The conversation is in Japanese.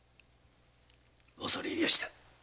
恐れ入りやした。